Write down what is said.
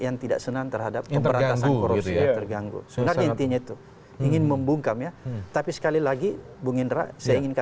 yang tidak senang terhadap itu terganggu itu ingin membuka minyak v women bu przez